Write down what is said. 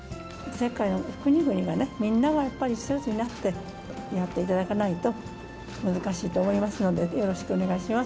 世界の国々がみんながやっぱり一つになってやっていただかないと、難しいと思いますので、よろしくお願いします。